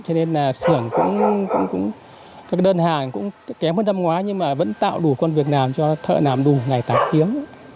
cho nên là xưởng cũng đơn hàng kém hơn năm ngoái nhưng mà vẫn tạo đủ con việc làm cho thợ làm đủ ngày tác kiếm